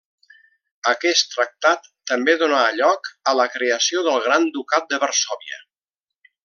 Aquest tractat també donà a lloc a la creació del Gran Ducat de Varsòvia.